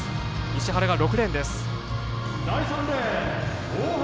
石原が６レーンです。